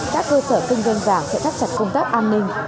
các cơ sở kinh doanh vàng sẽ thắt chặt công tác an ninh